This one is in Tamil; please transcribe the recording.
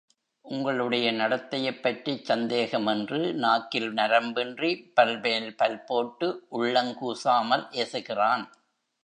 உங்களுடைய நடத்தையைப்பற்றிச் சந்தேகம்! என்று நாக்கில் நரம்பின்றி, பல்மேல் பல்போட்டு, உள்ளங் கூசாமல் ஏசுகிறான்.